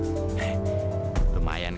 sampai jumpa lagi